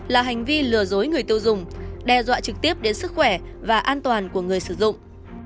là hành vi lừa dối người tiêu dùng đe dọa trực tiếp đến sức khỏe và an toàn của người sử dụng